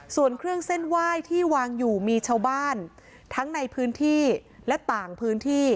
ส่วนเครื่องเส้นไหว้ที่วางอยู่มีชาวบ้านทั้งในพื้นที่และต่างพื้นที่